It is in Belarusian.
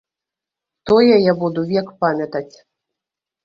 Тое я буду век памятаць.